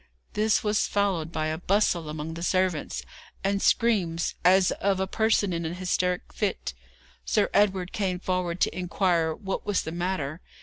This was followed by a bustle among the servants, and screams as of a person in an hysteric fit. Sir Edward came forward to inquire what was the matter.